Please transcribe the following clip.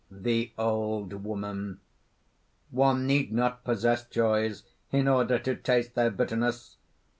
THE OLD WOMAN. "One need not possess joys in order to taste their bitterness!